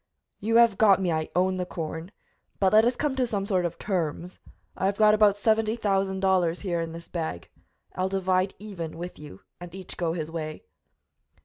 "You have got me; I own the corn. But let us come to some sort of terms. I have got about seventy thousand dollars here in this bag; I'll divide even with you and each go his way."